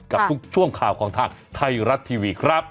กับทุกช่วงข่าวของทางไทยรัฐทีวีครับ